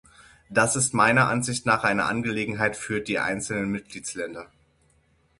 Das ist meiner Ansicht nach eine Angelegenheit für die einzelnen Mitgliedsländer.